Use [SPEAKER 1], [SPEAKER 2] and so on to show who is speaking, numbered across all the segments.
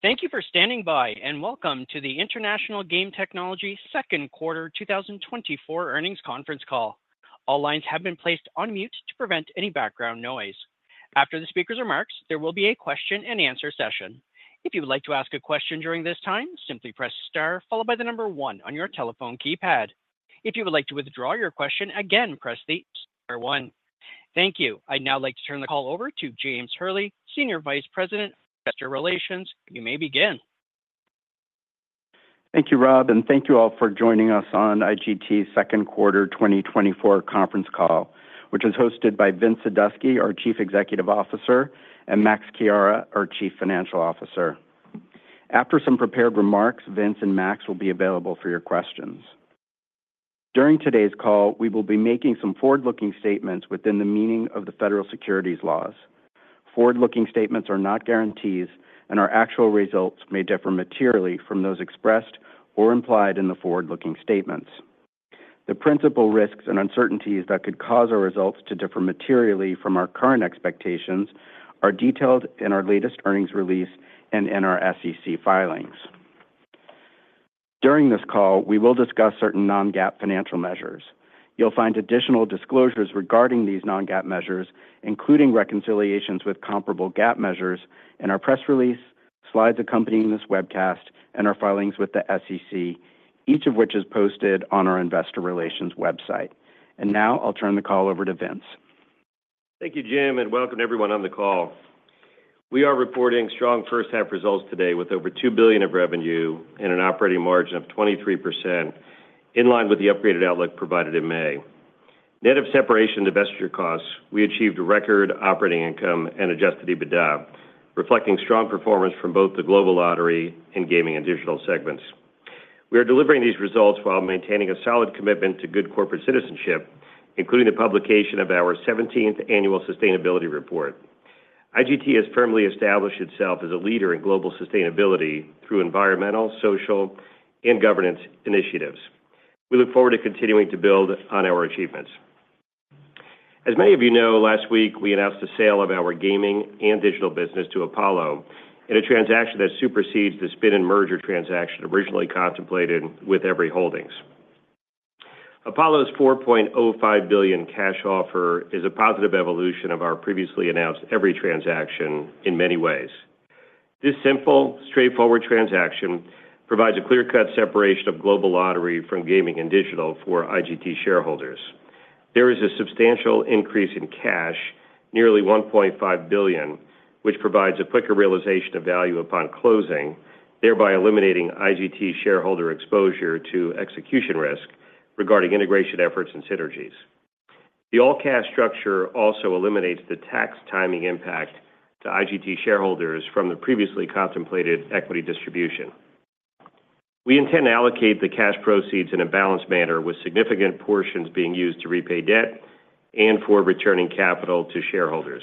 [SPEAKER 1] Thank you for standing by, and welcome to the International Game Technology Second Quarter 2024 Earnings Conference Call. All lines have been placed on mute to prevent any background noise. After the speaker's remarks, there will be a question-and-answer session. If you would like to ask a question during this time, simply press star followed by the number one on your telephone keypad. If you would like to withdraw your question, again, press the star one. Thank you. I'd now like to turn the call over to James Hurley, Senior Vice President, Investor Relations. You may begin.
[SPEAKER 2] Thank you, Rob, and thank you all for joining us on IGT's Second Quarter 2024 Conference Call, which is hosted by Vincent Sadusky, our Chief Executive Officer, and Max Chiara, our Chief Financial Officer. After some prepared remarks, Vincent and Max will be available for your questions. During today's call, we will be making some forward-looking statements within the meaning of the federal securities laws. Forward-looking statements are not guarantees, and our actual results may differ materially from those expressed or implied in the forward-looking statements. The principal risks and uncertainties that could cause our results to differ materially from our current expectations are detailed in our latest earnings release and in our SEC filings. During this call, we will discuss certain non-GAAP financial measures. You'll find additional disclosures regarding these non-GAAP measures, including reconciliations with comparable GAAP measures, in our press release, slides accompanying this webcast, and our filings with the SEC, each of which is posted on our Investor Relations website. Now, I'll turn the call over to Vince.
[SPEAKER 3] Thank you, Jim, and welcome everyone on the call. We are reporting strong first-half results today with over $2 billion of revenue and an operating margin of 23%, in line with the upgraded outlook provided in May. Net of separation divestiture costs, we achieved record operating income and adjusted EBITDA, reflecting strong performance from both the Global Lottery and Gaming and Digital segments. We are delivering these results while maintaining a solid commitment to good corporate citizenship, including the publication of our 17th Annual Sustainability Report. IGT has firmly established itself as a leader in global sustainability through environmental, social, and governance initiatives. We look forward to continuing to build on our achievements. As many of you know, last week we announced the sale of our Gaming and Digital business to Apollo, in a transaction that supersedes the spin-and-merger transaction originally contemplated with Everi Holdings. Apollo's $4.05 billion cash offer is a positive evolution of our previously announced Everi transaction in many ways. This simple, straightforward transaction provides a clear-cut separation of Global Lottery from Gaming and Digital for IGT shareholders. There is a substantial increase in cash, nearly $1.5 billion, which provides a quicker realization of value upon closing, thereby eliminating IGT shareholder exposure to execution risk regarding integration efforts and synergies. The all-cash structure also eliminates the tax timing impact to IGT shareholders from the previously contemplated equity distribution. We intend to allocate the cash proceeds in a balanced manner, with significant portions being used to repay debt and for returning capital to shareholders.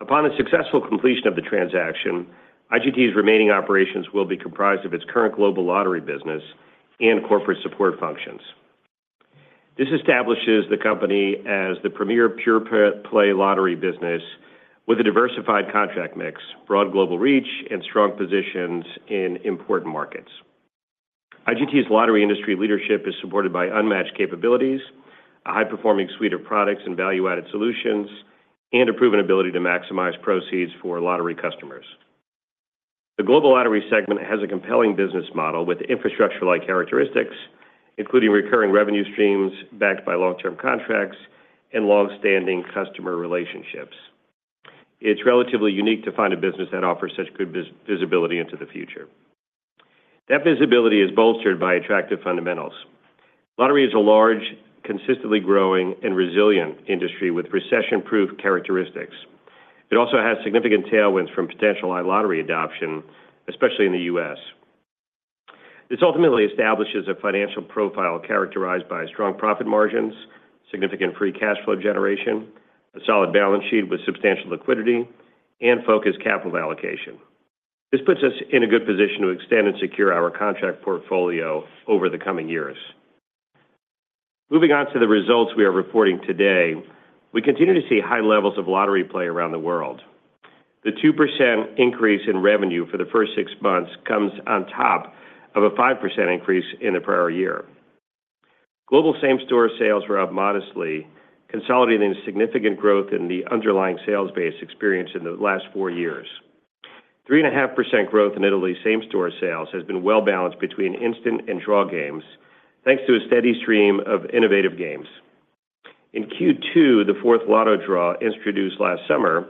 [SPEAKER 3] Upon the successful completion of the transaction, IGT's remaining operations will be comprised of its current Global Lottery business and corporate support functions. This establishes the company as the premier pure-play lottery business with a diversified contract mix, broad global reach, and strong positions in important markets. IGT's lottery industry leadership is supported by unmatched capabilities, a high-performing suite of products and value-added solutions, and a proven ability to maximize proceeds for lottery customers. The Global Lottery segment has a compelling business model with infrastructure-like characteristics, including recurring revenue streams backed by long-term contracts and long-standing customer relationships. It's relatively unique to find a business that offers such good visibility into the future. That visibility is bolstered by attractive fundamentals. Lottery is a large, consistently growing, and resilient industry with recession-proof characteristics. It also has significant tailwinds from potential high lottery adoption, especially in the U.S. This ultimately establishes a financial profile characterized by strong profit margins, significant free cash flow generation, a solid balance sheet with substantial liquidity, and focused capital allocation. This puts us in a good position to extend and secure our contract portfolio over the coming years. Moving on to the results we are reporting today, we continue to see high levels of lottery play around the world. The 2% increase in revenue for the first six months comes on top of a 5% increase in the prior year. Global same-store sales were up modestly, consolidating significant growth in the underlying sales base experienced in the last four years. 3.5% growth in Italy's same-store sales has been well-balanced between instant and draw games, thanks to a steady stream of innovative games. In Q2, the fourth lotto draw introduced last summer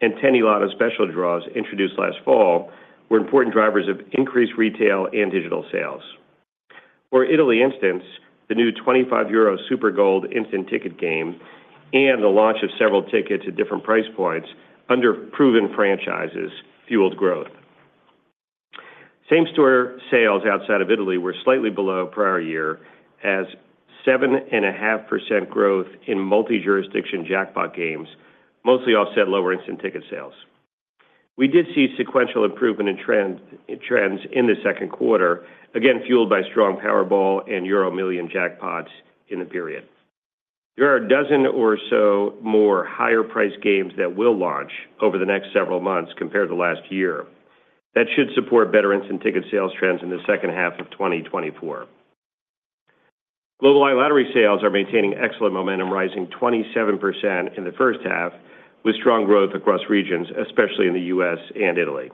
[SPEAKER 3] and 10 new lotto special draws introduced last fall were important drivers of increased retail and digital sales. For instance, Italy, the new 25 euro Super Gold instant ticket game and the launch of several tickets at different price points under proven franchises fueled growth. Same-store sales outside of Italy were slightly below prior year, as 7.5% growth in multi-jurisdiction jackpot games mostly offset lower instant ticket sales. We did see sequential improvement in trends in the second quarter, again fueled by strong Powerball and EuroMillions jackpots in the period. There are a dozen or so more higher-priced games that will launch over the next several months compared to last year. That should support better instant ticket sales trends in the second half of 2024. Global iLottery sales are maintaining excellent momentum, rising 27% in the first half, with strong growth across regions, especially in the U.S. and Italy.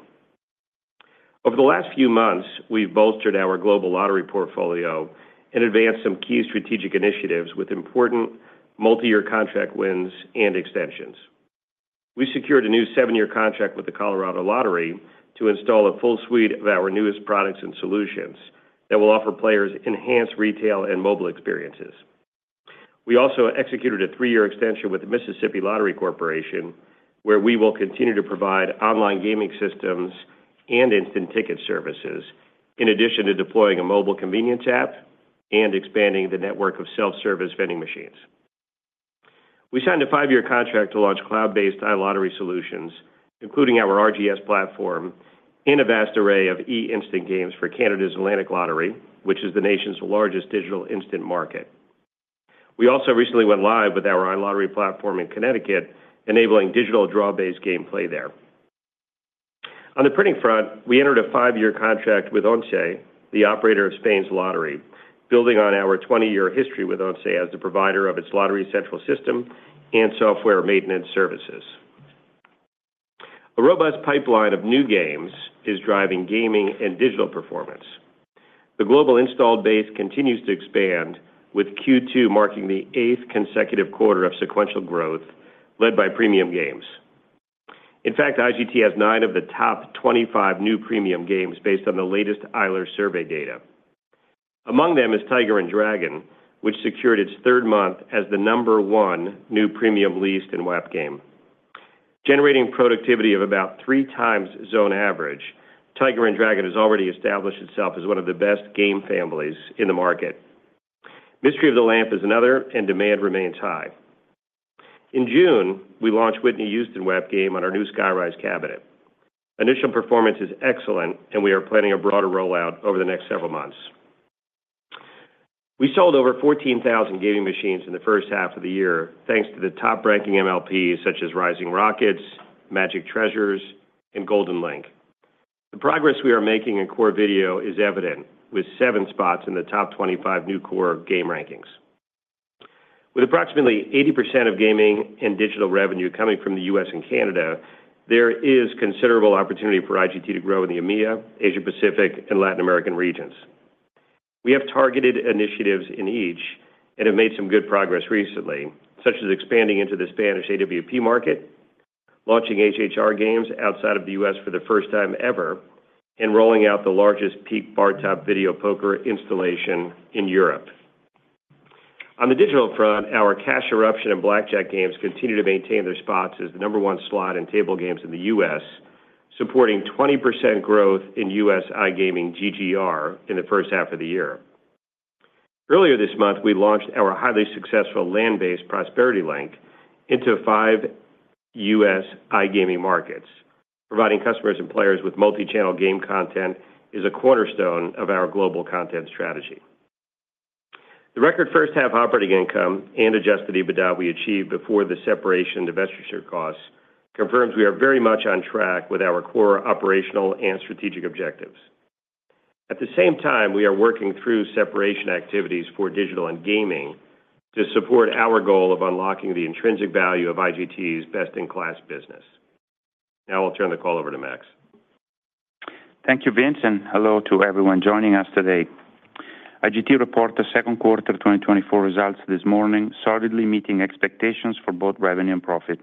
[SPEAKER 3] Over the last few months, we've bolstered our Global Lottery portfolio and advanced some key strategic initiatives with important multi-year contract wins and extensions. We secured a new 7-year contract with the Colorado Lottery to install a full suite of our newest products and solutions that will offer players enhanced retail and mobile experiences. We also executed a 3-year extension with the Mississippi Lottery Corporation, where we will continue to provide online gaming systems and instant ticket services, in addition to deploying a mobile convenience app and expanding the network of self-service vending machines. We signed a 5-year contract to launch cloud-based iLottery solutions, including our RGS platform, and a vast array of e-instant games for Canada's Atlantic Lottery, which is the nation's largest digital instant market. We also recently went live with our iLottery platform in Connecticut, enabling digital draw-based gameplay there. On the printing front, we entered a 5-year contract with ONCE, the operator of Spain's lottery, building on our 20-year history with ONCE as the provider of its lottery central system and software maintenance services. A robust pipeline of new games is driving Gaming and Digital performance. The global installed base continues to expand, with Q2 marking the eighth consecutive quarter of sequential growth, led by premium games. In fact, IGT has nine of the top 25 new premium games based on the latest Eilers survey data. Among them is Tiger and Dragon, which secured its third month as the number one new premium leased and WAP game. Generating productivity of about 3 times zone average, Tiger and Dragon has already established itself as one of the best game families in the market. Mystery of the Lamp is another, and demand remains high. In June, we launched Whitney Houston WAP game on our new SkyRise cabinet. Initial performance is excellent, and we are planning a broader rollout over the next several months. We sold over 14,000 gaming machines in the first half of the year, thanks to the top-ranking MLPs such as Rising Rockets, Magic Treasures, and Golden Link. The progress we are making in Core Video is evident, with seven spots in the top 25 new Core game rankings. With approximately 80% of Gaming and Digital revenue coming from the U.S. and Canada, there is considerable opportunity for IGT to grow in the EMEA, Asia-Pacific, and Latin American regions. We have targeted initiatives in each and have made some good progress recently, such as expanding into the Spanish AWP market, launching HHR games outside of the U.S. for the first time ever, and rolling out the largest PeakBarTop Video Poker installation in Europe. On the digital front, our Cash Eruption and Blackjack games continue to maintain their spots as the number one slot and table games in the U.S., supporting 20% growth in U.S. iGaming GGR in the first half of the year. Earlier this month, we launched our highly successful land-based Prosperity Link into 5 U.S. iGaming markets. Providing customers and players with multi-channel game content is a cornerstone of our global content strategy. The record first-half operating income and adjusted EBITDA we achieved before the separation and divestiture costs confirms we are very much on track with our core operational and strategic objectives. At the same time, we are working through separation activities for digital and gaming to support our goal of unlocking the intrinsic value of IGT's best-in-class business. Now I'll turn the call over to Max.
[SPEAKER 4] Thank you, Vince, and hello to everyone joining us today. IGT reported the second quarter 2024 results this morning, solidly meeting expectations for both revenue and profit.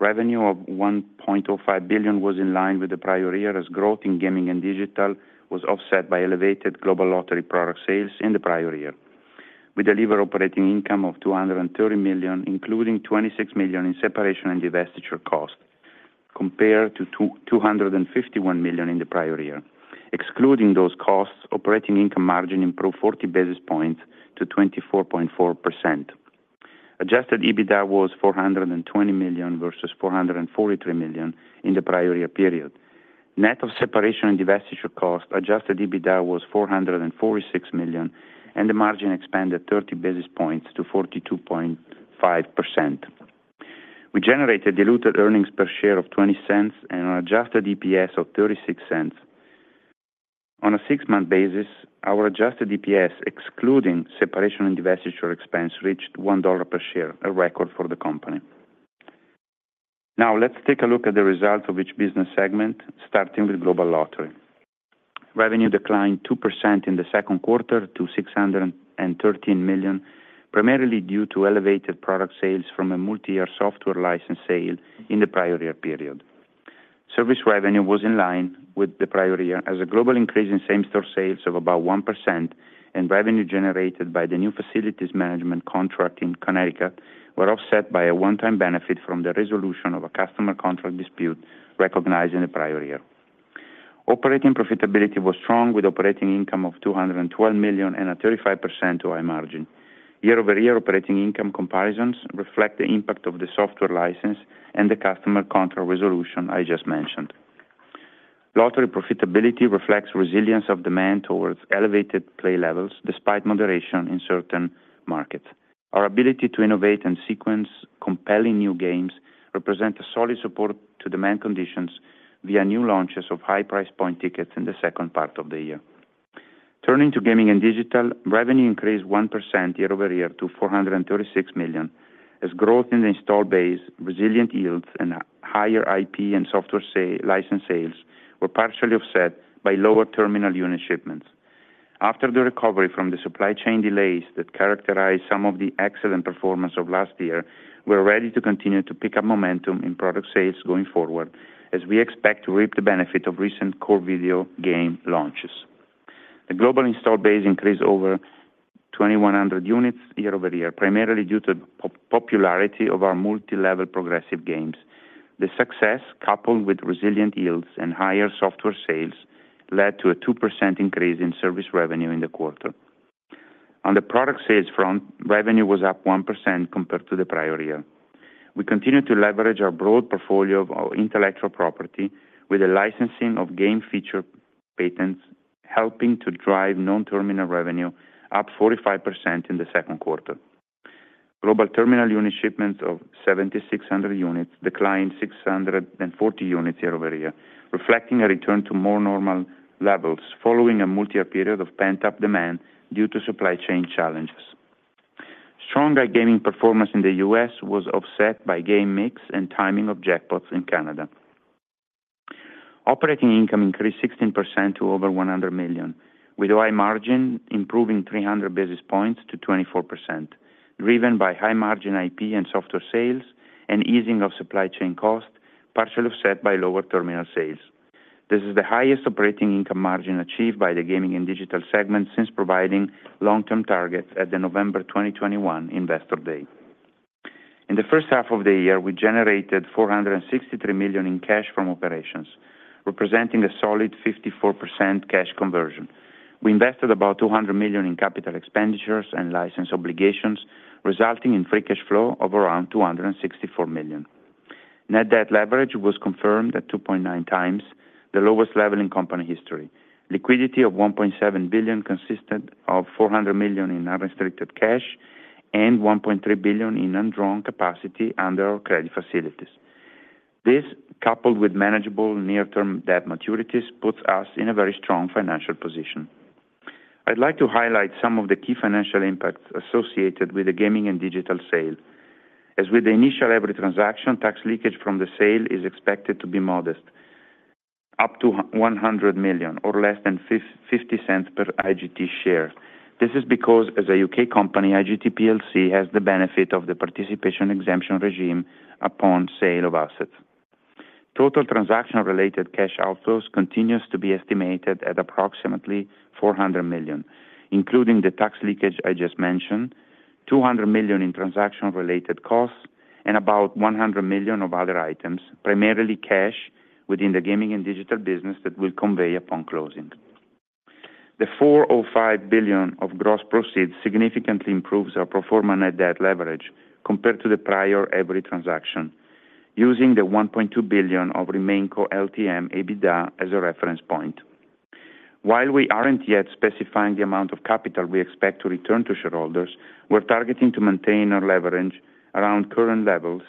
[SPEAKER 4] Revenue of $1.05 billion was in line with the prior year, as growth in Gaming and Digital was offset by elevated Global Lottery product sales in the prior year. We delivered operating income of $230 million, including $26 million in separation and divestiture costs, compared to $251 million in the prior year. Excluding those costs, operating income margin improved 40 basis points to 24.4%. Adjusted EBITDA was $420 million versus $443 million in the prior year period. Net of separation divestiture costs, adjusted EBITDA was $446 million, and the margin expanded 30 basis points to 42.5%. We generated diluted earnings per share of $0.20 and an adjusted EPS of $0.36. On a six-month basis, our adjusted EPS, excluding separation and divestiture expense, reached $1 per share, a record for the company. Now let's take a look at the results of each business segment, starting with Global Lottery. Revenue declined 2% in the second quarter to $613 million, primarily due to elevated product sales from a multi-year software license sale in the prior year period. Service revenue was in line with the prior year, as a global increase in same-store sales of about 1% and revenue generated by the new facilities management contract in Connecticut were offset by a one-time benefit from the resolution of a customer contract dispute recognized in the prior year. Operating profitability was strong, with operating income of $212 million and a 35% high margin. Year-over-year operating income comparisons reflect the impact of the software license and the customer contract resolution I just mentioned. Lottery profitability reflects resilience of demand towards elevated play levels despite moderation in certain markets. Our ability to innovate and sequence compelling new games represents solid support to demand conditions via new launches of high-price point tickets in the second part of the year. Turning to Gaming and Digital, revenue increased 1% year-over-year to $436 million, as growth in the installed base, resilient yields, and higher IP and software license sales were partially offset by lower terminal unit shipments. After the recovery from the supply chain delays that characterized some of the excellent performance of last year, we are ready to continue to pick up momentum in product sales going forward, as we expect to reap the benefit of recent Core Video game launches. The global installed base increased over 2,100 units year-over-year, primarily due to the popularity of our multi-level progressive games. The success, coupled with resilient yields and higher software sales, led to a 2% increase in service revenue in the quarter. On the product sales front, revenue was up 1% compared to the prior year. We continue to leverage our broad portfolio of intellectual property, with the licensing of game feature patents helping to drive non-terminal revenue, up 45% in the second quarter. Global terminal unit shipments of 7,600 units declined 640 units year-over-year, reflecting a return to more normal levels following a multi-year period of pent-up demand due to supply chain challenges. Strong iGaming performance in the U.S. was offset by game mix and timing of jackpots in Canada. Operating income increased 16% to over $100 million, with iGaming margin improving 300 basis points to 24%, driven by high-margin IP and software sales and easing of supply chain costs, partially offset by lower terminal sales. This is the highest operating income margin achieved by the Gaming and Digital segment since providing long-term targets at the November 2021 Investor Day. In the first half of the year, we generated $463 million in cash from operations, representing a solid 54% cash conversion. We invested about $200 million in capital expenditures and license obligations, resulting in free cash flow of around $264 million. Net debt leverage was confirmed at 2.9 times the lowest level in company history. Liquidity of $1.7 billion consisted of $400 million in unrestricted cash and $1.3 billion in undrawn capacity under our credit facilities. This, coupled with manageable near-term debt maturities, puts us in a very strong financial position. I'd like to highlight some of the key financial impacts associated with the Gaming and Digital sale. As with the initial Everi transaction, tax leakage from the sale is expected to be modest, up to $100 million, or less than $0.50 per IGT share. This is because, as a UK company, IGT PLC has the benefit of the participation exemption regime upon sale of assets. Total transaction-related cash outflows continue to be estimated at approximately $400 million, including the tax leakage I just mentioned, $200 million in transaction-related costs, and about $100 million of other items, primarily cash within the Gaming and Digital business that will convey upon closing. The $4.05 billion of gross proceeds significantly improves our pro forma net debt leverage compared to the prior Everi transaction, using the $1.2 billion of remaining core LTM EBITDA as a reference point. While we aren't yet specifying the amount of capital we expect to return to shareholders, we're targeting to maintain our leverage around current levels,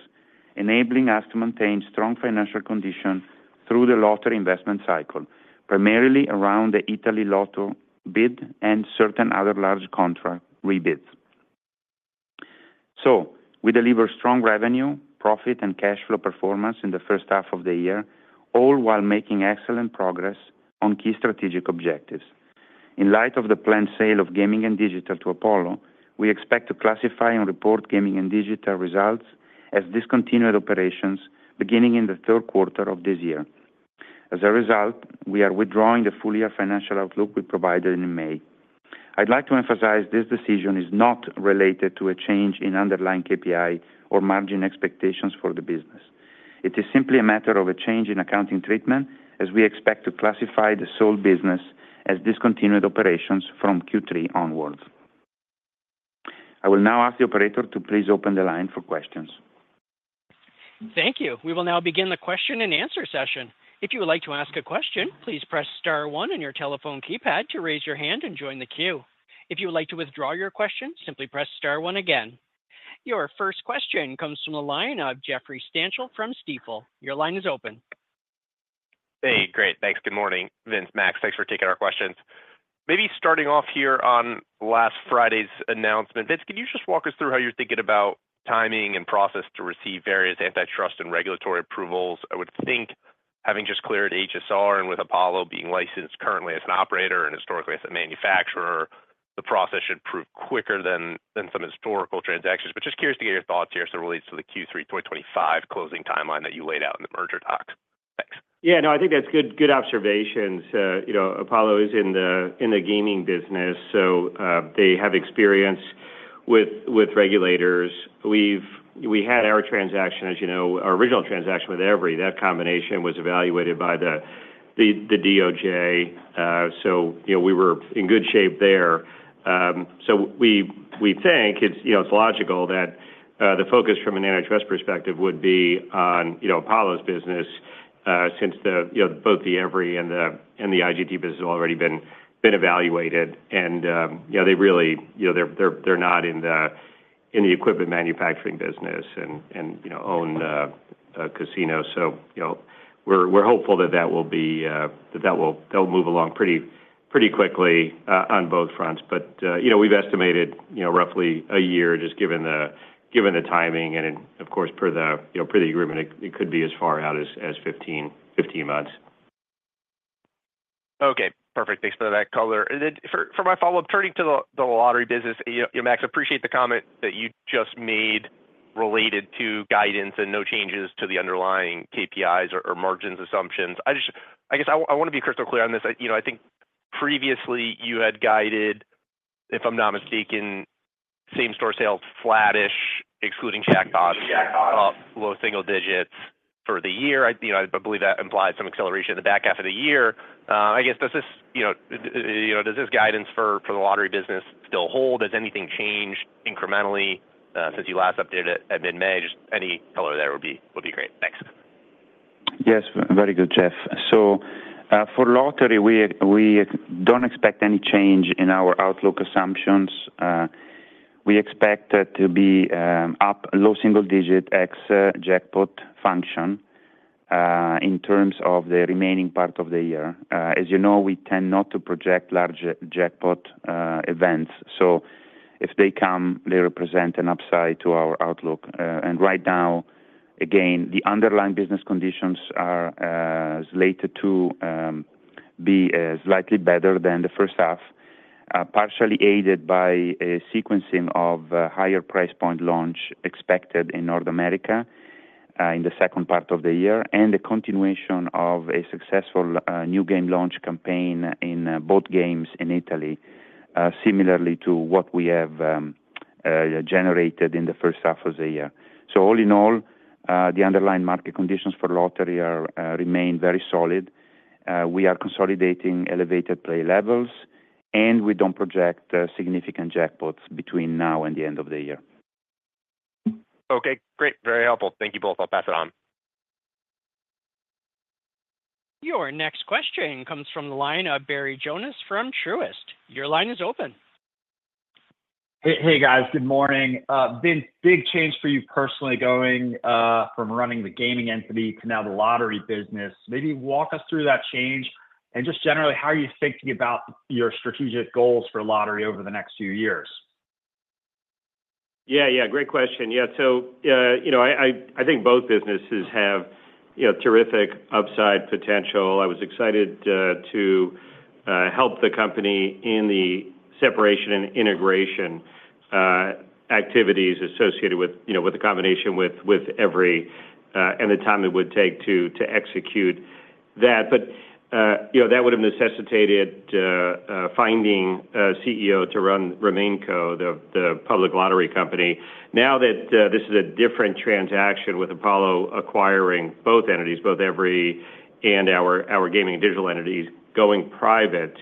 [SPEAKER 4] enabling us to maintain strong financial conditions through the lottery investment cycle, primarily around the Italy Lotto bid and certain other large contract re-bids. So, we deliver strong revenue, profit, and cash flow performance in the first half of the year, all while making excellent progress on key strategic objectives. In light of the planned sale of Gaming and Digital to Apollo, we expect to classify and report Gaming and Digital results as discontinued operations beginning in the third quarter of this year. As a result, we are withdrawing the full-year financial outlook we provided in May. I'd like to emphasize this decision is not related to a change in underlying KPI or margin expectations for the business. It is simply a matter of a change in accounting treatment, as we expect to classify the sole business as discontinued operations from Q3 onwards. I will now ask the operator to please open the line for questions.
[SPEAKER 1] Thank you. We will now begin the Q&A session. If you would like to ask a question, please press star one on your telephone keypad to raise your hand and join the queue. If you would like to withdraw your question, simply press star one again. Your first question comes from the line of Jeffrey Stantial from Stifel. Your line is open.
[SPEAKER 5] Hey, great. Thanks. Good morning, Vince, Max. Thanks for taking our questions. Maybe starting off here on last Friday's announcement, Vince, can you just walk us through how you're thinking about timing and process to receive various antitrust and regulatory approvals? I would think, having just cleared HSR and with Apollo being licensed currently as an operator and historically as a manufacturer, the process should prove quicker than some historical transactions. But just curious to get your thoughts here as it relates to the Q3 2025 closing timeline that you laid out in the merger docs. Thanks.
[SPEAKER 3] Yeah, no, I think that's good observations. Apollo is in the gaming business, so they have experience with regulators. We had our transaction, as you know, our original transaction with Everi, that combination was evaluated by the DOJ. So we think it's logical that the focus from an antitrust perspective would be on Apollo's business, since both the Everi and the IGT business have already been evaluated. And they really, they're not in the equipment manufacturing business and own a casino. So we're hopeful that that will move along pretty quickly on both fronts. But we've estimated roughly a year, just given the timing. And of course, per the agreement, it could be as far out as 15 months.
[SPEAKER 5] Okay. Perfect. Thanks for that colour. For my follow-up, turning to the lottery business, Max, I appreciate the comment that you just made related to guidance and no changes to the underlying KPIs or margins assumptions. I guess I want to be crystal clear on this. I think previously you had guided, if I'm not mistaken, same-store sales flattish, excluding jackpots, low single digits for the year. I believe that implied some acceleration in the back half of the year. I guess, does this guidance for the lottery business still hold? Has anything changed incrementally since you last updated it at mid-May? Just any color there would be great. Thanks.
[SPEAKER 4] Yes, very good, Jeff. So for lottery, we don't expect any change in our outlook assumptions. We expect it to be up low single-digit ex-jackpot fluctuation in terms of the remaining part of the year. As you know, we tend not to project large jackpot events. So if they come, they represent an upside to our outlook. And right now, again, the underlying business conditions are slated to be slightly better than the first half, partially aided by a sequencing of higher price point launch expected in North America in the second part of the year, and the continuation of a successful new game launch campaign in both games in Italy, similarly to what we have generated in the first half of the year. So all in all, the underlying market conditions for lottery remain very solid. We are consolidating elevated play levels, and we don't project significant jackpots between now and the end of the year.
[SPEAKER 5] Okay. Great. Very helpful. Thank you both. I'll pass it on.
[SPEAKER 1] Your next question comes from the line of Barry Jonas from Truist. Your line is open.
[SPEAKER 6] Hey, guys. Good morning. Vince, big change for you personally going from running the gaming entity to now the lottery business. Maybe walk us through that change and just generally how you're thinking about your strategic goals for lottery over the next few years.
[SPEAKER 3] Yeah, yeah. Great question. Yeah. So I think both businesses have terrific upside potential. I was excited to help the company in the separation and integration activities associated with the combination with Everi and the time it would take to execute that. But that would have necessitated finding a CEO to run RemainCo, the public lottery company. Now that this is a different transaction with Apollo acquiring both entities, both Everi and our Gaming and Digital entities going private,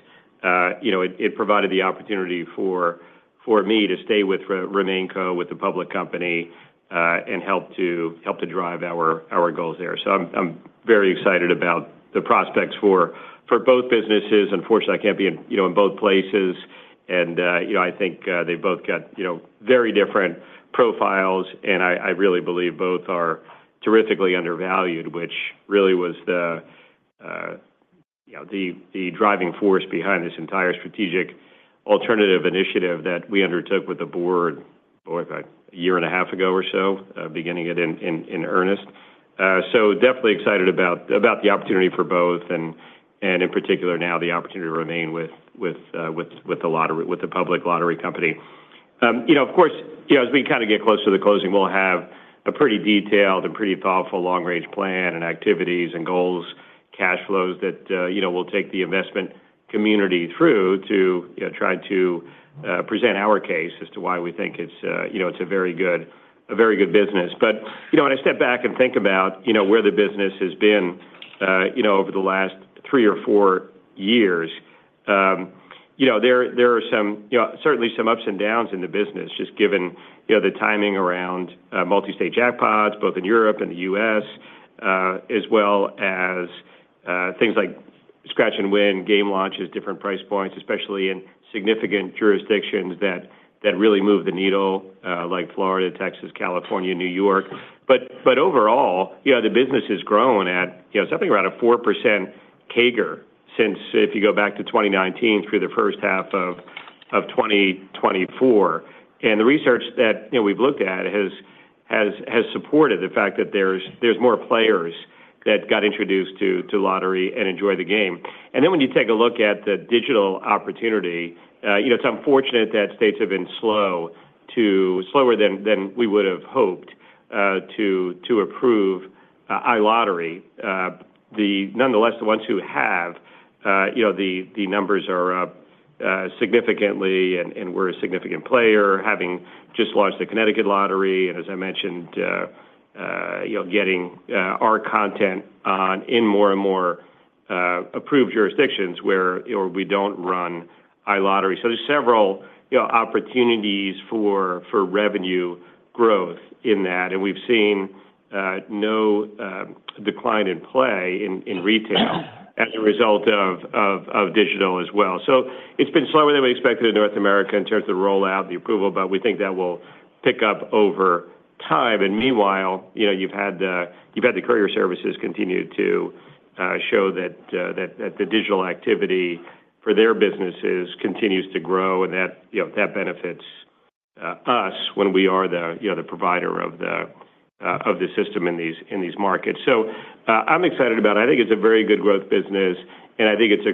[SPEAKER 3] it provided the opportunity for me to stay with RemainCo, with the public company, and help to drive our goals there. So I'm very excited about the prospects for both businesses. Unfortunately, I can't be in both places. And I think they've both got very different profiles. I really believe both are terrifically undervalued, which really was the driving force behind this entire strategic alternative initiative that we undertook with the board a year and a half ago or so, beginning it in earnest. Definitely excited about the opportunity for both, and in particular now the opportunity to remain with the public lottery company. Of course, as we kind of get closer to the closing, we'll have a pretty detailed and pretty thoughtful long-range plan and activities and goals, cash flows that we'll take the investment community through to try to present our case as to why we think it's a very good business. But when I step back and think about where the business has been over the last three or four years, there are certainly some ups and downs in the business, just given the timing around multi-state jackpots, both in Europe and the U.S., as well as things like scratch-and-win, game launches, different price points, especially in significant jurisdictions that really move the needle, like Florida, Texas, California, New York. But overall, the business has grown at something around a 4% CAGR since if you go back to 2019 through the first half of 2024. And the research that we've looked at has supported the fact that there's more players that got introduced to lottery and enjoy the game. And then when you take a look at the digital opportunity, it's unfortunate that states have been slower than we would have hoped to approve iLottery. Nonetheless, the ones who have the numbers are significantly and we're a significant player, having just launched the Connecticut Lottery, and as I mentioned, getting our content in more and more approved jurisdictions where we don't run iLottery. So there's several opportunities for revenue growth in that. And we've seen no decline in play in retail as a result of digital as well. So it's been slower than we expected in North America in terms of the rollout, the approval, but we think that will pick up over time. And meanwhile, you've had the courier services continue to show that the digital activity for their businesses continues to grow, and that benefits us when we are the provider of the system in these markets. So I'm excited about it. I think it's a very good growth business, and I think it's a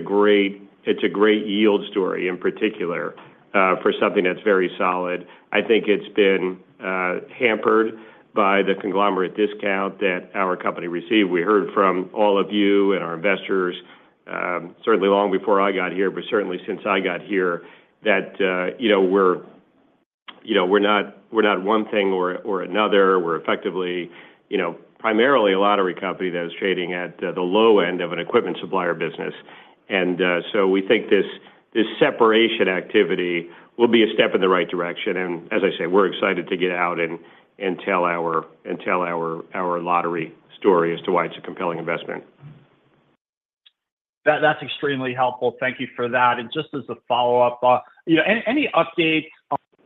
[SPEAKER 3] great yield story in particular for something that's very solid. I think it's been hampered by the conglomerate discount that our company received. We heard from all of you and our investors, certainly long before I got here, but certainly since I got here, that we're not one thing or another. We're effectively primarily a lottery company that is trading at the low end of an equipment supplier business. And so we think this separation activity will be a step in the right direction. And as I say, we're excited to get out and tell our lottery story as to why it's a compelling investment.
[SPEAKER 6] That's extremely helpful. Thank you for that. Just as a follow-up, any updates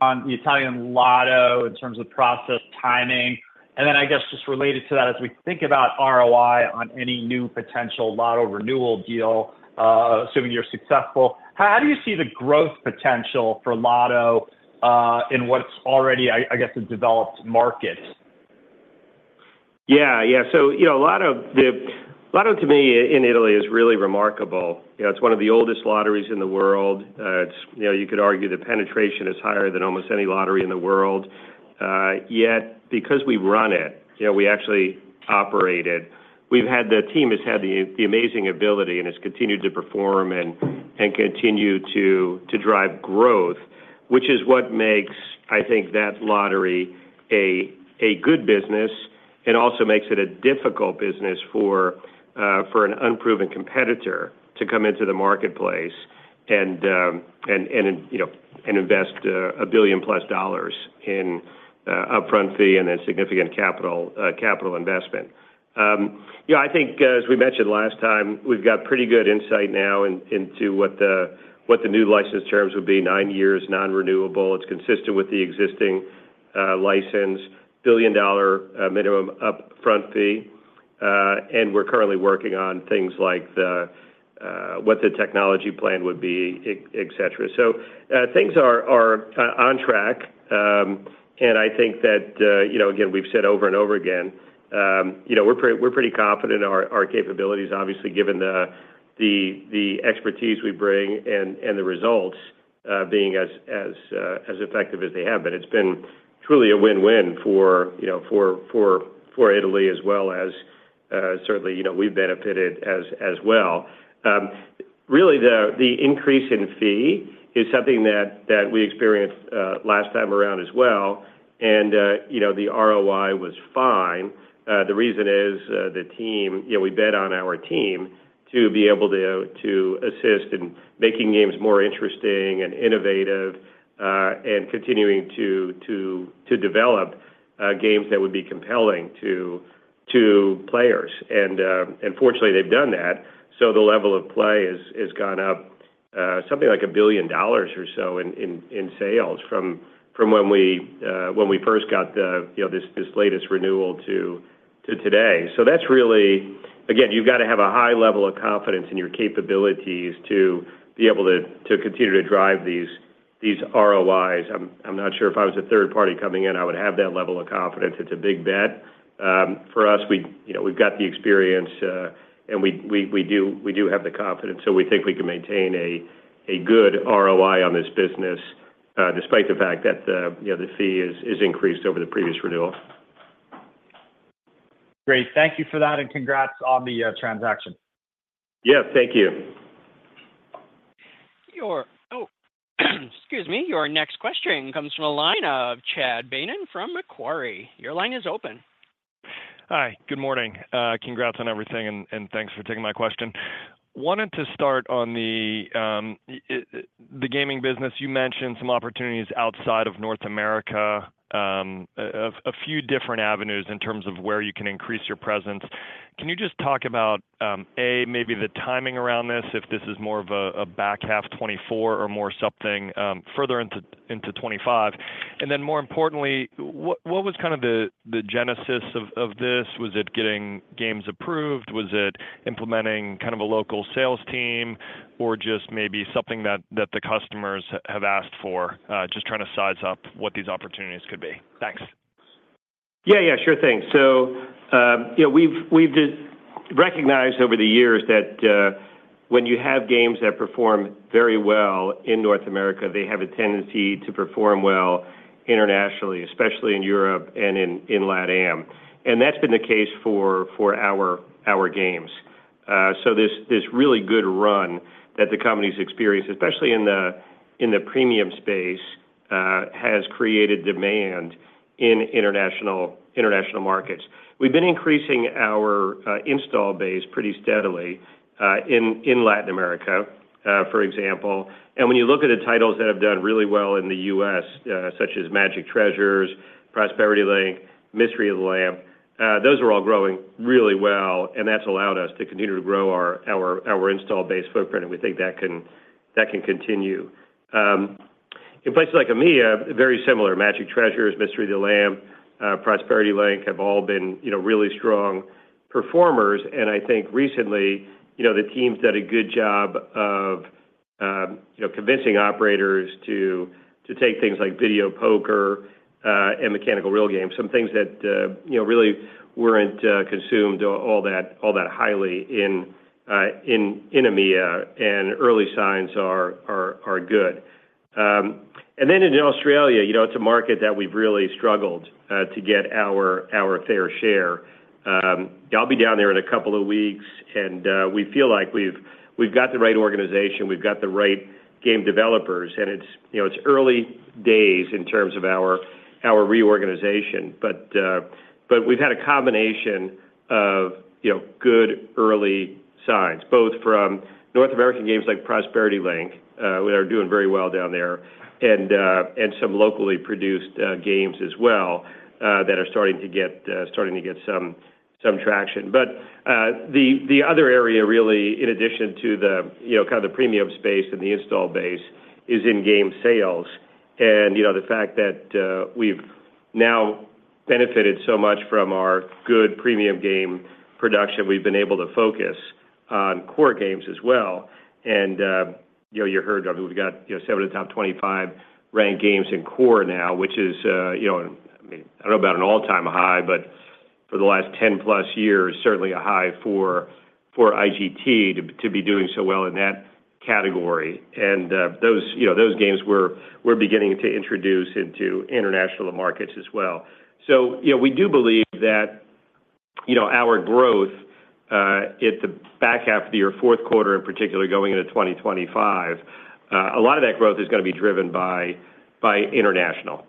[SPEAKER 6] on the Italian Lotto in terms of process timing? Then I guess just related to that, as we think about ROI on any new potential Lotto renewal deal, assuming you're successful, how do you see the growth potential for Lotto in what's already, I guess, a developed market?
[SPEAKER 3] Yeah, yeah. So the Lotto Italia in Italy is really remarkable. It's one of the oldest lotteries in the world. You could argue the penetration is higher than almost any lottery in the world. Yet because we run it, we actually operate it, the team has had the amazing ability and has continued to perform and continue to drive growth, which is what makes, I think, that lottery a good business and also makes it a difficult business for an unproven competitor to come into the marketplace and invest $1 billion+ in upfront fee and then significant capital investment. I think, as we mentioned last time, we've got pretty good insight now into what the new license terms would be: 9 years, non-renewable. It's consistent with the existing license, $1 billion minimum upfront fee. We're currently working on things like what the technology plan would be, etc. Things are on track. I think that, again, we've said over and over again, we're pretty confident in our capabilities, obviously, given the expertise we bring and the results being as effective as they have been. It's been truly a win-win for Italy, as well as certainly we've benefited as well. Really, the increase in fee is something that we experienced last time around as well. The ROI was fine. The reason is the team, we bet on our team to be able to assist in making games more interesting and innovative and continuing to develop games that would be compelling to players. Fortunately, they've done that. So the level of play has gone up something like $1 billion or so in sales from when we first got this latest renewal to today. So that's really, again, you've got to have a high level of confidence in your capabilities to be able to continue to drive these ROIs. I'm not sure if I was a third party coming in, I would have that level of confidence. It's a big bet. For us, we've got the experience, and we do have the confidence. So we think we can maintain a good ROI on this business despite the fact that the fee is increased over the previous renewal.
[SPEAKER 6] Great. Thank you for that. And congrats on the transaction.
[SPEAKER 3] Yeah. Thank you.
[SPEAKER 1] Excuse me. Your next question comes from a line of Chad Beynon from Macquarie. Your line is open.
[SPEAKER 7] Hi. Good morning. Congrats on everything, and thanks for taking my question. Wanted to start on the gaming business. You mentioned some opportunities outside of North America, a few different avenues in terms of where you can increase your presence. Can you just talk about, A, maybe the timing around this, if this is more of a back half 2024 or more something further into 2025? And then more importantly, what was kind of the genesis of this? Was it getting games approved? Was it implementing kind of a local sales team, or just maybe something that the customers have asked for, just trying to size up what these opportunities could be? Thanks.
[SPEAKER 3] Yeah, yeah. Sure thing. So we've recognized over the years that when you have games that perform very well in North America, they have a tendency to perform well internationally, especially in Europe and in LATAM. And that's been the case for our games. So this really good run that the company's experienced, especially in the premium space, has created demand in international markets. We've been increasing our install base pretty steadily in Latin America, for example. And when you look at the titles that have done really well in the U.S., such as Magic Treasures, Prosperity Link, Mystery of the Lamp, those are all growing really well. And that's allowed us to continue to grow our install base footprint. And we think that can continue. In places like EMEA, very similar. Magic Treasures, Mystery of the Lamp, Prosperity Link have all been really strong performers. I think recently, the team's done a good job of convincing operators to take things like video poker and mechanical reel games, some things that really weren't consumed all that highly in EMEA, and early signs are good. Then in Australia, it's a market that we've really struggled to get our fair share. I'll be down there in a couple of weeks, and we feel like we've got the right organization. We've got the right game developers. It's early days in terms of our reorganization. But we've had a combination of good early signs, both from North American games like Prosperity Link, which are doing very well down there, and some locally produced games as well that are starting to get some traction. But the other area, really, in addition to kind of the premium space and the install base, is in game sales. The fact that we've now benefited so much from our good premium game production, we've been able to focus on core games as well. You heard we've got seven of the top 25 ranked games in core now, which is, I don't know about an all-time high, but for the last 10-plus years, certainly a high for IGT to be doing so well in that category. Those games we're beginning to introduce into international markets as well. So we do believe that our growth in the back half of the year, fourth quarter in particular, going into 2025, a lot of that growth is going to be driven by international.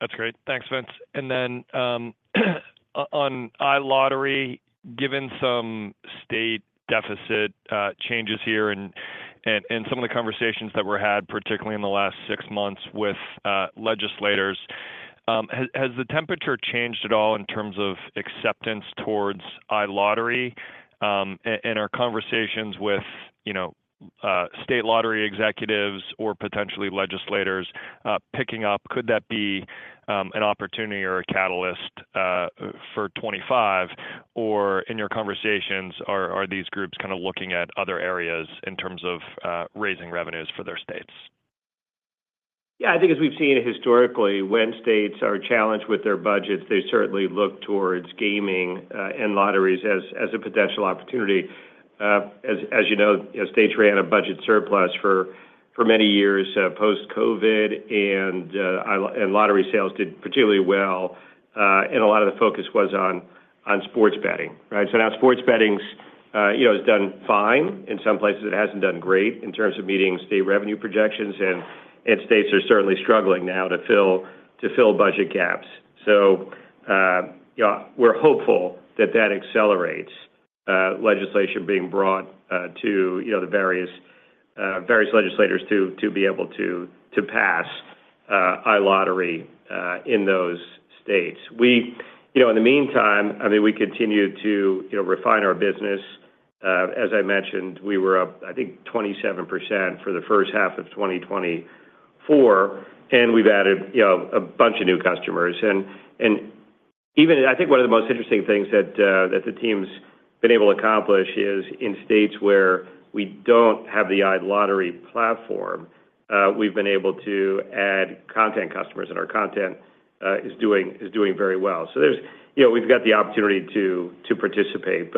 [SPEAKER 7] That's great. Thanks, Vince. Then on iLottery, given some state deficit changes here and some of the conversations that were had, particularly in the last six months with legislators, has the temperature changed at all in terms of acceptance towards iLottery? Our conversations with state lottery executives or potentially legislators picking up, could that be an opportunity or a catalyst for 2025? In your conversations, are these groups kind of looking at other areas in terms of raising revenues for their states?
[SPEAKER 3] Yeah. I think as we've seen historically, when states are challenged with their budgets, they certainly look toward gaming and lotteries as a potential opportunity. As you know, states ran a budget surplus for many years post-COVID, and lottery sales did particularly well. A lot of the focus was on sports betting, right? Now sports betting has done fine. In some places, it hasn't done great in terms of meeting state revenue projections. States are certainly struggling now to fill budget gaps. We're hopeful that that accelerates legislation being brought to the various legislators to be able to pass iLottery in those states. In the meantime, I mean, we continue to refine our business. As I mentioned, we were up, I think, 27% for the first half of 2024, and we've added a bunch of new customers. I think one of the most interesting things that the team's been able to accomplish is in states where we don't have the iLottery platform, we've been able to add content customers, and our content is doing very well. We've got the opportunity to participate.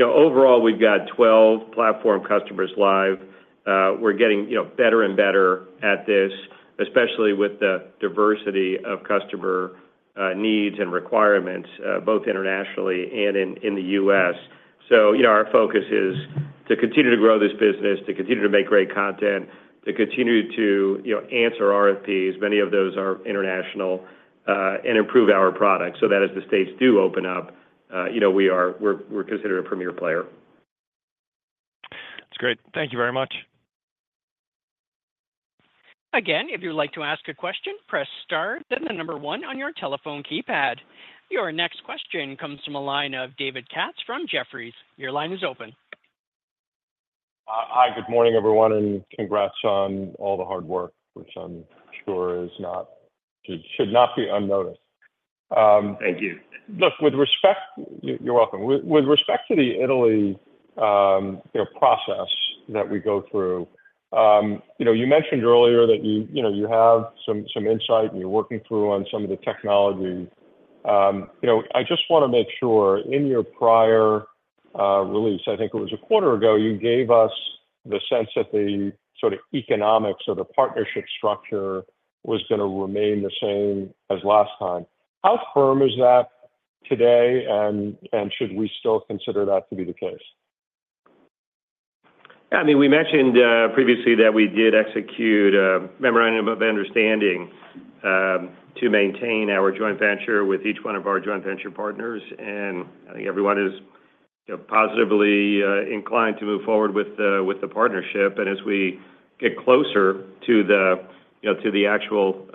[SPEAKER 3] Overall, we've got 12 platform customers live. We're getting better and better at this, especially with the diversity of customer needs and requirements, both internationally and in the U.S. Our focus is to continue to grow this business, to continue to make great content, to continue to answer RFPs. Many of those are international, and improve our product. So that as the states do open up, we're considered a premier player.
[SPEAKER 7] That's great. Thank you very much.
[SPEAKER 1] Again, if you'd like to ask a question, press Star, then the number one on your telephone keypad. Your next question comes from a line of David Katz from Jefferies. Your line is open.
[SPEAKER 8] Hi. Good morning, everyone. Congrats on all the hard work, which I'm sure should not be unnoticed.
[SPEAKER 3] Thank you.
[SPEAKER 8] Look, with respect, you're welcome, with respect to the Italy process that we go through, you mentioned earlier that you have some insight and you're working through on some of the technology. I just want to make sure in your prior release, I think it was a quarter ago, you gave us the sense that the sort of economics of the partnership structure was going to remain the same as last time. How firm is that today, and should we still consider that to be the case?
[SPEAKER 3] Yeah. I mean, we mentioned previously that we did execute a memorandum of understanding to maintain our joint venture with each one of our joint venture partners. And I think everyone is positively inclined to move forward with the partnership. And as we get closer to the actual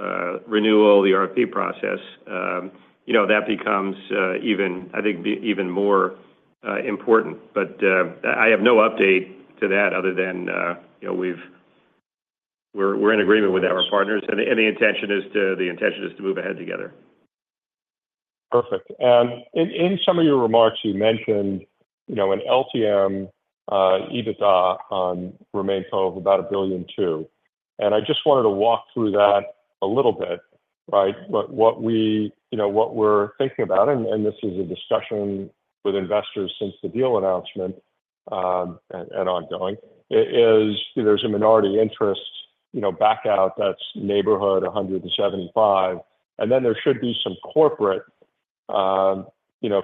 [SPEAKER 3] renewal, the RFP process, that becomes, I think, even more important. But I have no update to that other than we're in agreement with our partners. And the intention is to move ahead together.
[SPEAKER 8] Perfect. In some of your remarks, you mentioned an LTM EBITDA remains of about $1 billion too. I just wanted to walk through that a little bit, right? What we're thinking about - and this is a discussion with investors since the deal announcement and ongoing - is there's a minority interest back out that's neighborhood of $175 million. And then there should be some corporate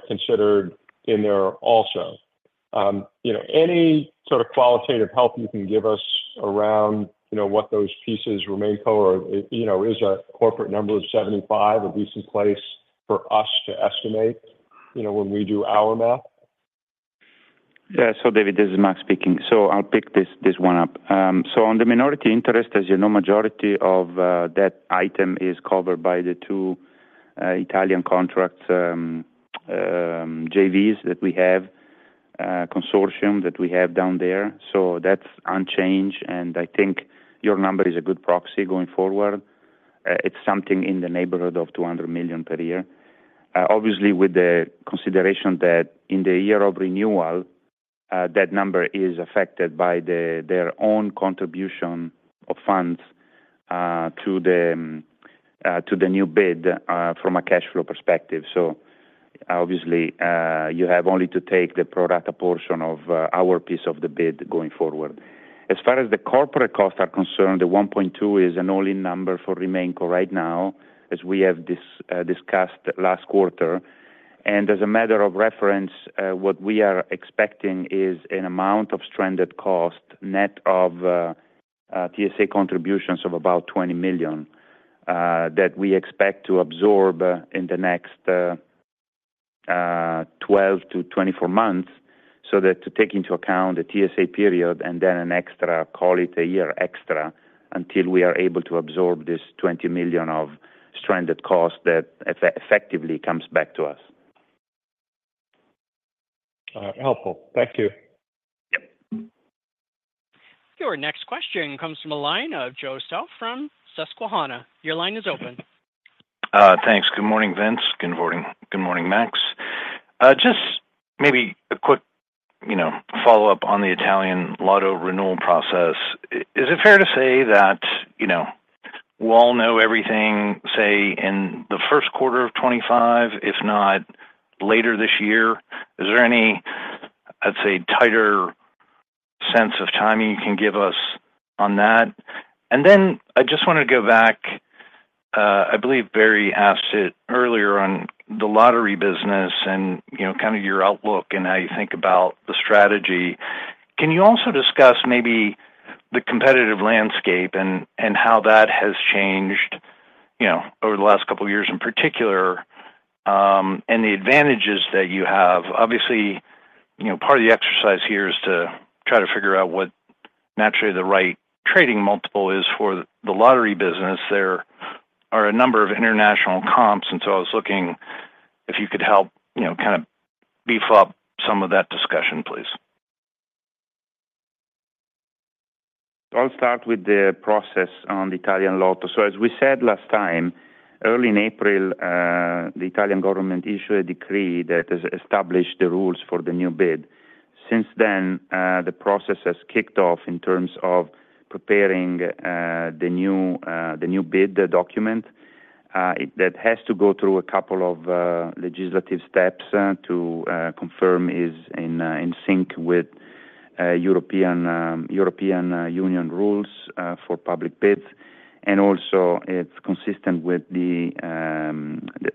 [SPEAKER 8] considered in there also. Any sort of qualitative help you can give us around what those pieces remain core? Is a corporate number of $75 million a decent place for us to estimate when we do our math?
[SPEAKER 4] Yeah. So, David, this is Max speaking. So I'll pick this one up. So on the minority interest, as you know, the majority of that item is covered by the two Italian contracts, JVs that we have, consortium that we have down there. So that's unchanged. And I think your number is a good proxy going forward. It's something in the neighborhood of $200 million per year. Obviously, with the consideration that in the year of renewal, that number is affected by their own contribution of funds to the new bid from a cash flow perspective. So obviously, you have only to take the pro rata portion of our piece of the bid going forward. As far as the corporate costs are concerned, the $1.2 billion is an all-in number for remaining core right now, as we have discussed last quarter. As a matter of reference, what we are expecting is an amount of stranded cost net of TSA contributions of about $20 million that we expect to absorb in the next 12-24 months so that to take into account the TSA period and then an extra, call it a year extra, until we are able to absorb this $20 million of stranded costs that effectively comes back to us.
[SPEAKER 8] All right. Helpful. Thank you.
[SPEAKER 1] Your next question comes from a line of Joe Stauff from Susquehanna. Your line is open.
[SPEAKER 9] Thanks. Good morning, Vince.
[SPEAKER 3] Good morning.
[SPEAKER 9] Good morning, Max. Just maybe a quick follow-up on the Italian Lotto renewal process. Is it fair to say that we'll all know everything, say, in the first quarter of 2025, if not later this year? Is there any, I'd say, tighter sense of timing you can give us on that? And then I just wanted to go back. I believe Barry asked it earlier on the lottery business and kind of your outlook and how you think about the strategy. Can you also discuss maybe the competitive landscape and how that has changed over the last couple of years in particular, and the advantages that you have? Obviously, part of the exercise here is to try to figure out what naturally the right trading multiple is for the lottery business. There are a number of international comps. And so I was looking if you could help kind of beef up some of that discussion, please.
[SPEAKER 4] I'll start with the process on the Italian Lotto. As we said last time, early in April, the Italian government issued a decree that established the rules for the new bid. Since then, the process has kicked off in terms of preparing the new bid document. It has to go through a couple of legislative steps to confirm it is in sync with European Union rules for public bids. And also, it's consistent with the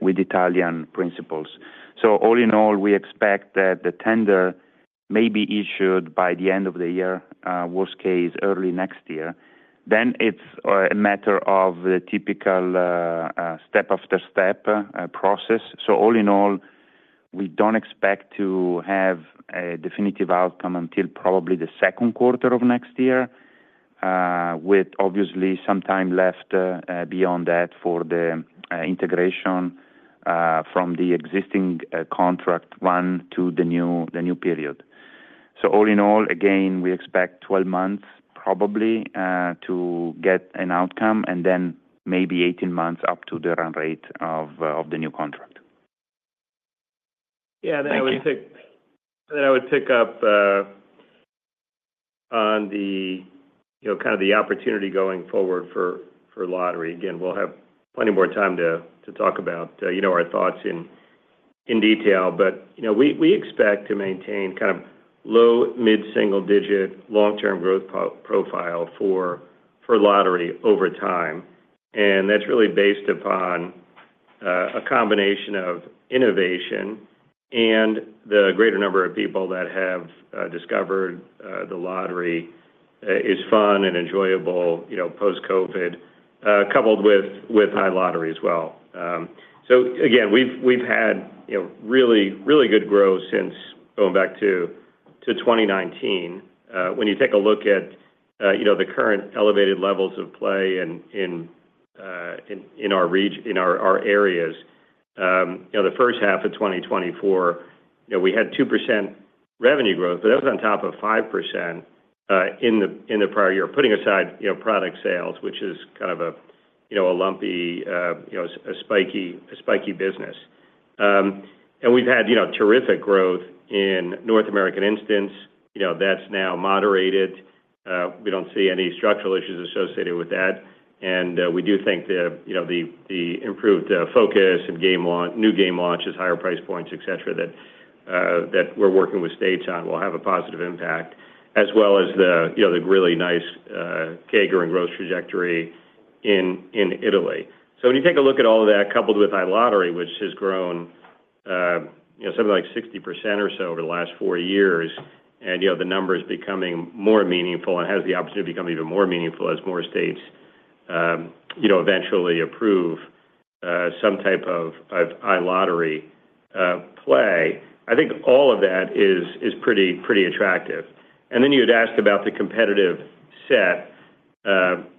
[SPEAKER 4] Italian principles. All in all, we expect that the tender may be issued by the end of the year, worst case early next year. It's a matter of the typical step-after-step process. All in all, we don't expect to have a definitive outcome until probably the second quarter of next year, with obviously some time left beyond that for the integration from the existing contract one to the new period. So all in all, again, we expect 12 months probably to get an outcome, and then maybe 18 months up to the run rate of the new contract.
[SPEAKER 3] Yeah. Then I would pick up on kind of the opportunity going forward for lottery. Again, we'll have plenty more time to talk about our thoughts in detail. But we expect to maintain kind of low- to mid-single-digit long-term growth profile for lottery over time. And that's really based upon a combination of innovation and the greater number of people that have discovered the lottery is fun and enjoyable post-COVID, coupled with iLottery as well. So again, we've had really good growth since going back to 2019. When you take a look at the current elevated levels of play in our areas, the first half of 2024, we had 2% revenue growth, but that was on top of 5% in the prior year, putting aside product sales, which is kind of a lumpy, spiky business. And we've had terrific growth in North American instants. That's now moderated. We don't see any structural issues associated with that. We do think the improved focus and new game launches, higher price points, etc., that we're working with states on will have a positive impact, as well as the really nice CAGR and growth trajectory in Italy. When you take a look at all of that, coupled with iLottery, which has grown something like 60% or so over the last 4 years, and the number is becoming more meaningful and has the opportunity to become even more meaningful as more states eventually approve some type of iLottery play, I think all of that is pretty attractive. Then you had asked about the competitive set,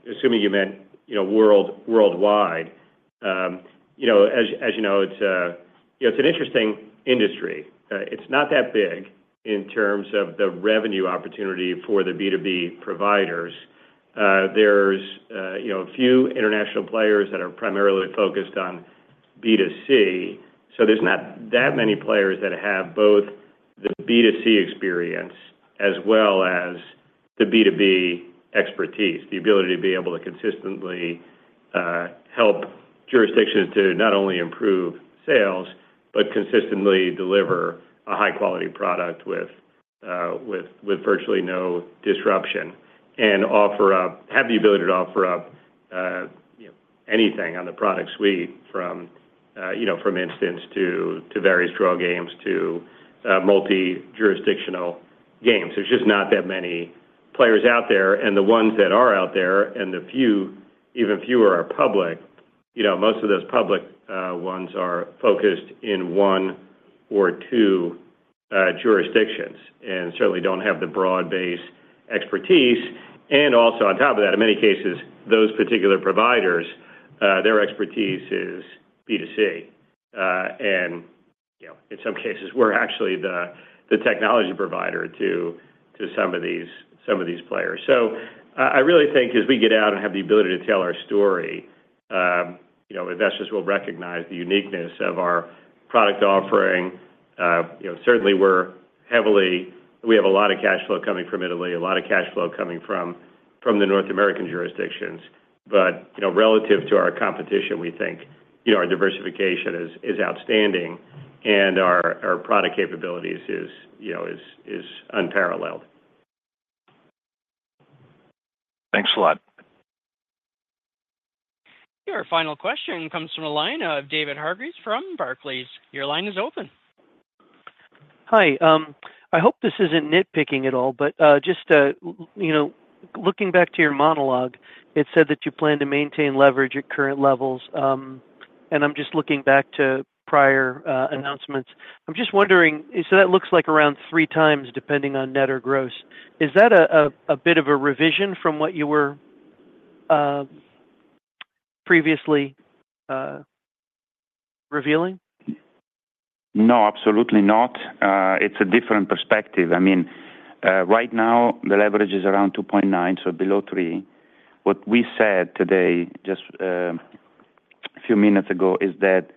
[SPEAKER 3] assuming you meant worldwide. As you know, it's an interesting industry. It's not that big in terms of the revenue opportunity for the B2B providers. There's a few international players that are primarily focused on B2C. So there's not that many players that have both the B2C experience as well as the B2B expertise, the ability to be able to consistently help jurisdictions to not only improve sales, but consistently deliver a high-quality product with virtually no disruption and have the ability to offer up anything on the product suite, from instant to various draw games to multi-jurisdictional games. There's just not that many players out there. And the ones that are out there and even fewer are public, most of those public ones are focused in one or two jurisdictions and certainly don't have the broad-based expertise. And also on top of that, in many cases, those particular providers, their expertise is B2C. And in some cases, we're actually the technology provider to some of these players. I really think as we get out and have the ability to tell our story, investors will recognize the uniqueness of our product offering. Certainly, we have a lot of cash flow coming from Italy, a lot of cash flow coming from the North American jurisdictions. Relative to our competition, we think our diversification is outstanding, and our product capabilities are unparalleled.
[SPEAKER 5] Thanks a lot.
[SPEAKER 1] Your final question comes from a line of David Hargreaves from Barclays. Your line is open.
[SPEAKER 10] Hi. I hope this isn't nitpicking at all, but just looking back to your monologue, it said that you plan to maintain leverage at current levels. I'm just looking back to prior announcements. I'm just wondering, so that looks like around 3x depending on net or gross. Is that a bit of a revision from what you were previously revealing?
[SPEAKER 4] No, absolutely not. It's a different perspective. I mean, right now, the leverage is around 2.9, so below 3. What we said today just a few minutes ago is that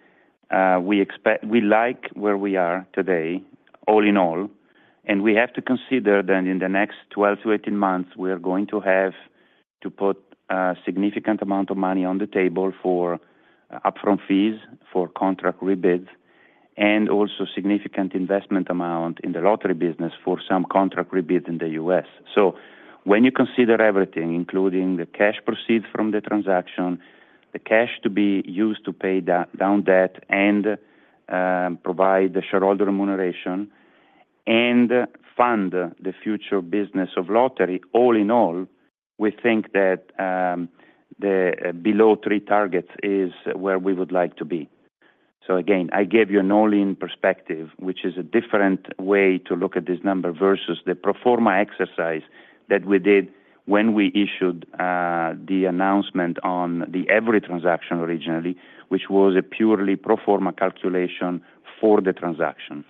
[SPEAKER 4] we like where we are today, all in all. And we have to consider that in the next 12-18 months, we are going to have to put a significant amount of money on the table for upfront fees for contract rebids and also a significant investment amount in the lottery business for some contract rebids in the U.S. So when you consider everything, including the cash proceeds from the transaction, the cash to be used to pay down debt and provide the shareholder remuneration and fund the future business of lottery, all in all, we think that the below 3 target is where we would like to be. So again, I gave you an all-in perspective, which is a different way to look at this number versus the pro forma exercise that we did when we issued the announcement on the Everi transaction originally, which was a purely pro forma calculation for the transaction.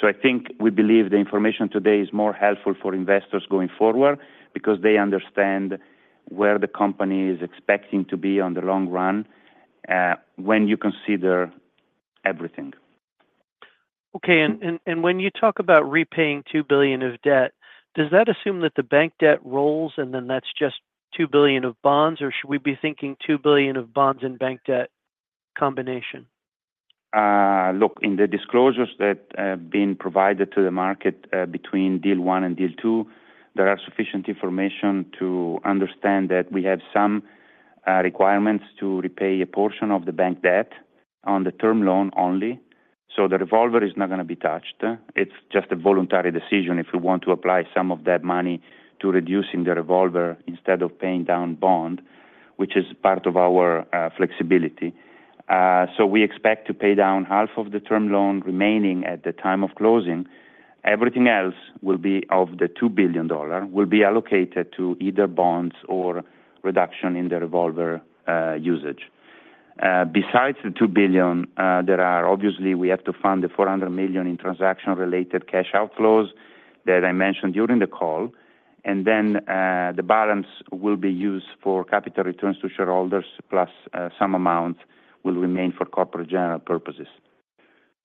[SPEAKER 4] So I think we believe the information today is more helpful for investors going forward because they understand where the company is expecting to be on the long run when you consider everything.
[SPEAKER 10] Okay. And when you talk about repaying $2 billion of debt, does that assume that the bank debt rolls and then that's just $2 billion of bonds, or should we be thinking $2 billion of bonds and bank debt combination?
[SPEAKER 4] Look, in the disclosures that have been provided to the market between deal one and deal two, there is sufficient information to understand that we have some requirements to repay a portion of the bank debt on the term loan only. So the revolver is not going to be touched. It's just a voluntary decision if we want to apply some of that money to reducing the revolver instead of paying down bond, which is part of our flexibility. So we expect to pay down half of the term loan remaining at the time of closing. Everything else will be of the $2 billion will be allocated to either bonds or reduction in the revolver usage. Besides the $2 billion, there are obviously we have to fund the $400 million in transaction-related cash outflows that I mentioned during the call. Then the balance will be used for capital returns to shareholders, plus some amount will remain for corporate general purposes.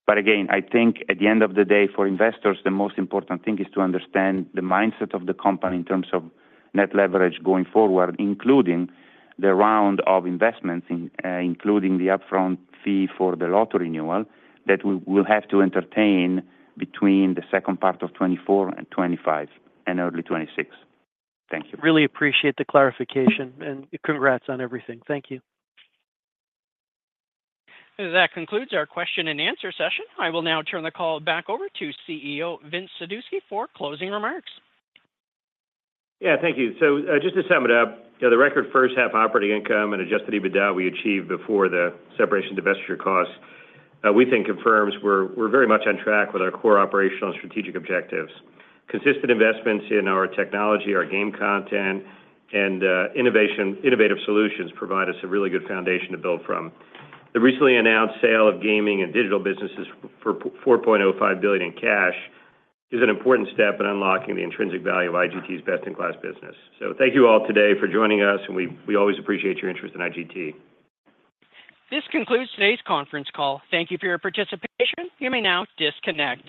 [SPEAKER 4] Again, I think at the end of the day, for investors, the most important thing is to understand the mindset of the company in terms of net leverage going forward, including the round of investments, including the upfront fee for the lottery renewal that we will have to entertain between the second part of 2024 and 2025 and early 2026. Thank you.
[SPEAKER 10] Really appreciate the clarification. Congrats on everything. Thank you.
[SPEAKER 1] That concludes our question and answer session. I will now turn the call back over to CEO Vincent Sadusky for closing remarks.
[SPEAKER 3] Yeah. Thank you. So just to sum it up, the record first-half operating income and Adjusted EBITDA we achieved before the separation divestiture costs, we think confirms we're very much on track with our core operational and strategic objectives. Consistent investments in our technology, our game content, and innovative solutions provide us a really good foundation to build from. The recently announced sale of Gaming and Digital businesses for $4.05 billion in cash is an important step in unlocking the intrinsic value of IGT's best-in-class business. So thank you all today for joining us, and we always appreciate your interest in IGT.
[SPEAKER 1] This concludes today's conference call. Thank you for your participation. You may now disconnect.